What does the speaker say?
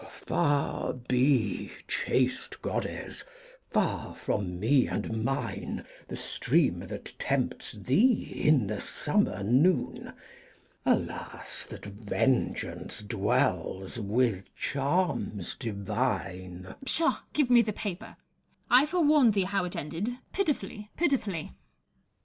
•' Far be, chaste goddess, far from me and mine The stream that tempts thee in the summer noon ! Alas, that vengeance dwells with charms divine " QUEEN ELIZABETH AND CECIL. 9 Elimbeth. Pshaw ! give me the paper : I forewarned thee how it ended, — pitifully, pitifully.